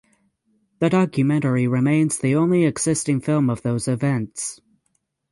The documentary remains the only existing film of those events.